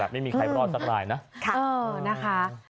ไม่มีใครรอดสักรายนะ